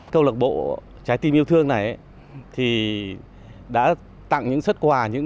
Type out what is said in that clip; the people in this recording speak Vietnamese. câu lộc bộ trái tim yêu thương này đã tặng những xuất quà